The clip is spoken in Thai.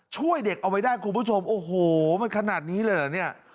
ช่วยเด็กเอาไว้ได้คุณผู้ชมโอ้โหมันขนาดนี้เลยเหรอเนี่ย